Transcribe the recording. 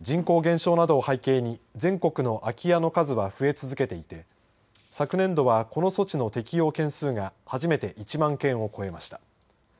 人口減少などを背景に全国の空き家の数は増え続けていて昨年度は、この措置の適用件数が初めて１万件を超えました。